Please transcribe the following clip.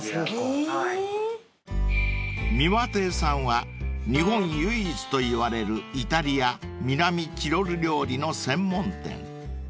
［三輪亭さんは日本唯一といわれるイタリア南チロル料理の専門店］